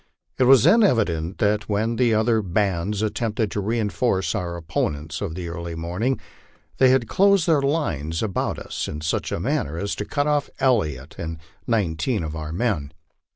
It was then evident that when the other bands at tempted to reinforce our opponents of the early morning, they had closed their lines about us in such manner as to cut off Elliott and nineteen of our men.